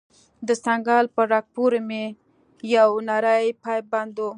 د څنگل په رگ پورې مې يو نرى پيپ بند و.